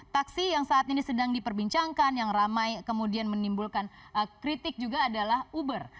taksi yang saat ini sedang diperbincangkan yang ramai kemudian menimbulkan kritik juga adalah uber